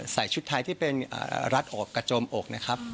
ชุดไทยที่เป็นรัดอกกระโจมอกนะครับ